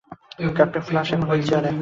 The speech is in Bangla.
ক্যাপ্টেন ফ্ল্যাশ এখন হুইল চেয়ারে।